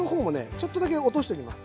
ちょっとだけ落としときます。